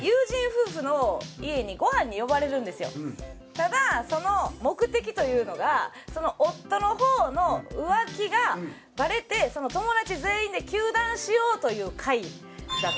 ただその目的というのが夫の方の浮気がバレてその友達全員で糾弾しようという会だったんですね。